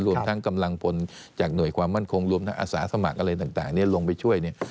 รวมทั้งกำลังพลจากหน่วยความมั่นคงรวมทั้งอาสาสมัครอะไรต่างลงไปช่วยเนี่ย